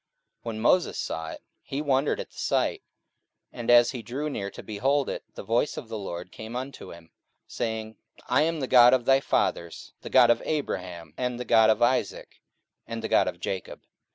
44:007:031 When Moses saw it, he wondered at the sight: and as he drew near to behold it, the voice of the LORD came unto him, 44:007:032 Saying, I am the God of thy fathers, the God of Abraham, and the God of Isaac, and the God of Jacob.